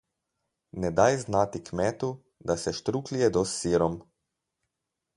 Ne daj znati kmetu, da se štruklji jedo s sirom.